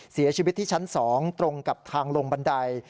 เสียชีวิตที่ชั้น๒ตรงกับทางลงบันได